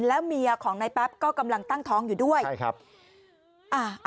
แล้วเมียของนายแป๊บก็กำลังตั้งท้องอยู่ด้วยใช่ครับอ่า